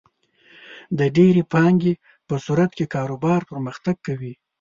د ډېرې پانګې په صورت کې کاروبار پرمختګ کوي.